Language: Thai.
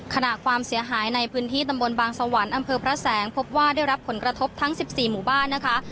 ความเสียหายในพื้นที่ตำบลบางสวรรค์อำเภอพระแสงพบว่าได้รับผลกระทบทั้ง๑๔หมู่บ้านนะคะ